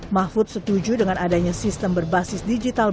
mahfud setuju dengan adanya sistem berbasis digital